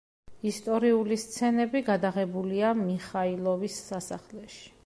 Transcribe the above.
ისტორიული სცენები გადაღებულია მიხაილოვის სასახლეში.